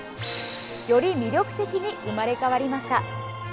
より魅力的に生まれ変わりました。